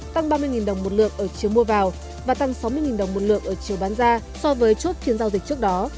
tăng ba mươi đồng một lượng ở chiều mua vào và tăng sáu mươi đồng một lượng ở chiều bán ra so với chốt phiên giao dịch trước đó